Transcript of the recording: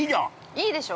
◆いいでしょう？